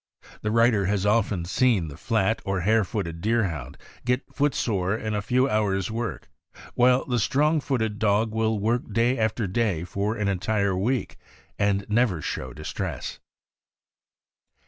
The writer has often seen the flat or hare footed Deerhound get foot sore in a few hours' work, while the strong footed dog will work day after day for an entire week, and never show distress.